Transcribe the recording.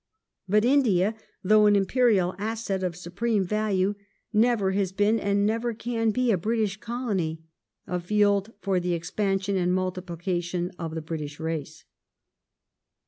But India, though an imperial asset of supreme value, never has been and never can be a British Colony — a field for the expansion and multiplica tion of the British race.